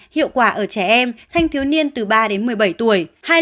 hiệu quả ở trẻ em thanh thiếu niên từ ba đến một mươi bảy tuổi